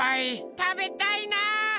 たべたいな！